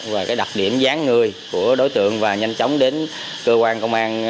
và cái đặc điểm gián người của đối tượng và nhanh chóng đến cơ quan công an